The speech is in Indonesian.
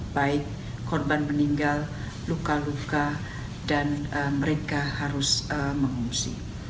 baik korban meninggal luka luka dan mereka harus mengungsi